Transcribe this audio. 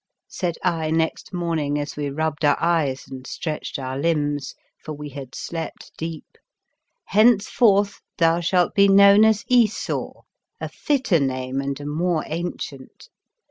said I next morning, as we rubbed our eyes and stretched our limbs, for we had slept deep, " henceforth thou shalt be known as Esau, a fitter name and a more ancient.